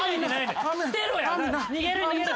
逃げる逃げる。